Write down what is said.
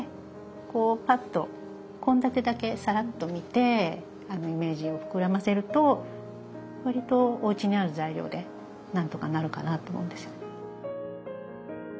こうパッと献立だけさらっと見てイメージを膨らませると割とおうちにある材料でなんとかなるかなと思うんですよね。